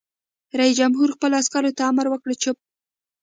رئیس جمهور خپلو عسکرو ته امر وکړ؛ چپ!